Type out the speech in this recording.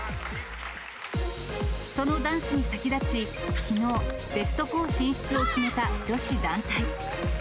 その男子に先立ち、きのう、ベスト４進出を決めた女子団体。